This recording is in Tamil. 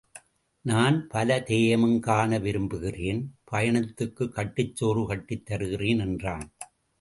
நான் பல தேயமும் காண விரும்புகிறேன். பயணத்துக்குக் கட்டுச்சோறு கட்டித் தருகிறேன் என்றான்.